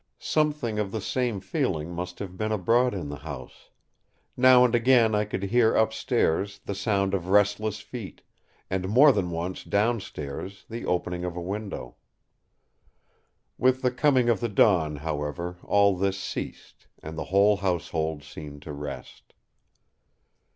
Something of the same feeling must have been abroad in the house; now and again I could hear upstairs the sound of restless feet, and more than once downstairs the opening of a window. With the coming of the dawn, however, all this ceased, and the whole household seemed to rest.